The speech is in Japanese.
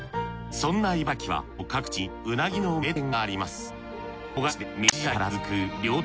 そんな茨城は県の各地にうなぎの名店があります。